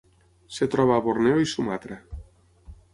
Es troba a Borneo i Sumatra.